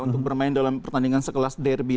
untuk bermain dalam pertandingan sekelas derby